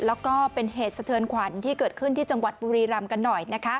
แล้วก็เป็นเหตุสะเทือนขวัญที่เกิดขึ้นที่จังหวัดบุรีรำกันหน่อยนะคะ